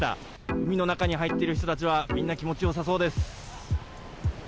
海の中に入っている人たちはみんな気持ち良さそうです。